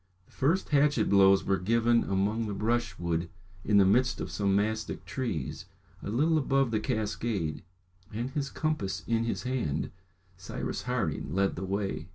The first hatchet blows were given among the brushwood in the midst of some mastick trees, a little above the cascade; and his compass in his hand, Cyrus Harding led the way.